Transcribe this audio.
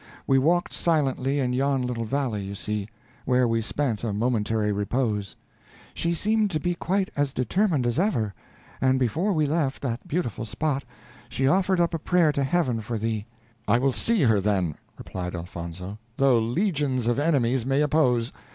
We walked silently in yon little valley you see, where we spent a momentary repose. She seemed to be quite as determined as ever, and before we left that beautiful spot she offered up a prayer to Heaven for thee." "I will see her then," replied Elfonzo, "though legions of enemies may oppose.